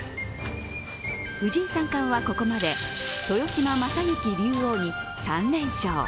藤井三冠はここまで豊島竜王に３連勝。